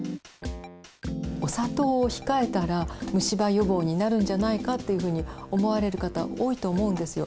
お砂糖を控えたら虫歯予防になるんじゃないかというふうに思われる方多いと思うんですよ。